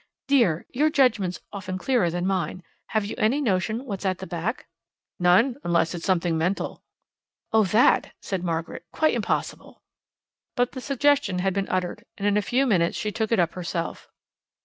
"Dear, your judgment's often clearer than mine. Have you any notion what's at the back?" "None, unless it's something mental." "Oh that!" said Margaret. "Quite impossible." But the suggestion had been uttered, and in a few minutes she took it up herself.